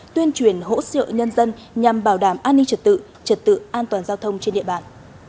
tuyên truyền hỗ trợ nhân dân nhằm bảo đảm an ninh trật tự trật tự an toàn giao thông trên địa bàn